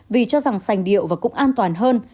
vì cho rằng sành điệu và cũng an toàn hơn